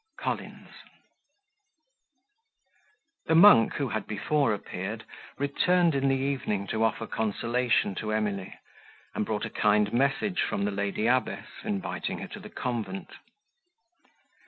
COLLINS The monk, who had before appeared, returned in the evening to offer consolation to Emily, and brought a kind message from the lady abbess, inviting her to the convent.